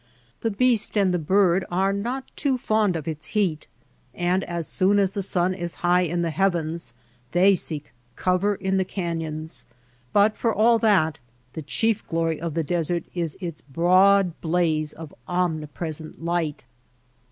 The beast and the bird are not too fond of its heat and as soon as the sun is high in the heavens they seek cover in the canyons ; but for all that the chief glory of the desert is its broad blaze of omnipresent light.